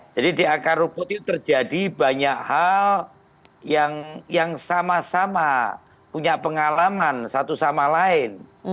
jadi di akar rumput itu terjadi banyak hal yang sama sama punya pengalaman satu sama lain